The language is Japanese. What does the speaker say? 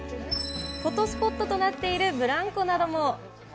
フォトスポットとなっているブランコなども。